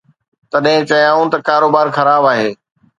تڏهن چيائون ته ڪاروبار خراب آهي.